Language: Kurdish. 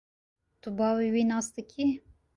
Tu bavê wî nas dikî?